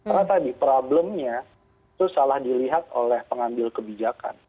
karena tadi problemnya itu salah dilihat oleh pengambil kebijakan